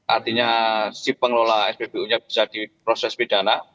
artinya si pengelola spbu nya bisa diproses pidana